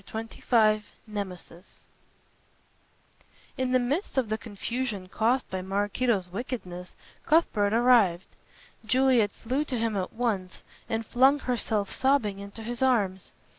CHAPTER XXV NEMESIS In the midst of the confusion caused by Maraquito's wickedness Cuthbert arrived. Juliet flew to him at once and flung herself sobbing into his arms.